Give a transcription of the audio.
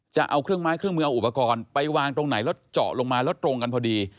จะเอาเครื่องไม้เครื่องมือเอาอุปกรณ์ไปวางตรงไหนแล้วเจาะลงมาแล้วตรงกันพอดี